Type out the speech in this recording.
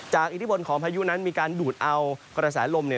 อิทธิพลของพายุนั้นมีการดูดเอากระแสลม